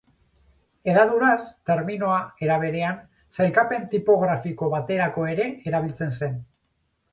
Hedaduraz, terminoa, era berean, sailkapen tipografiko baterako ere erabiltzen zen.